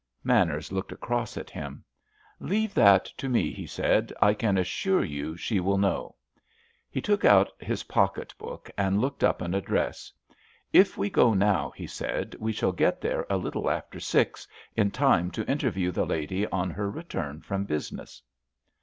Manners looked across at him. "Leave that to me," he said, "I can assure you she will know." He took out his pocket book and looked up an address. "If we go now," he said, "we shall get there a little after six, in time to interview the lady on her return from business."